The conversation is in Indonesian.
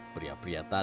pria pria tadan bergeris